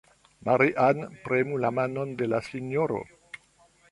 Maria-Ann, premu la manon de la sinjoro.